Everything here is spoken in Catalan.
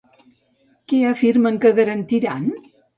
Què afirmen que garantiran?